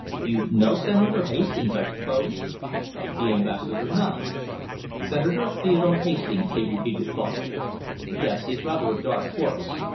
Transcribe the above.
You know Senator Hastings, I suppose?" The Ambassador nodded. "Senator Theodore Hastings," he repeated thoughtfully. "Yes, he's rather a dark horse.